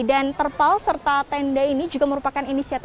dan terpal serta tenda ini juga merupakan inisialnya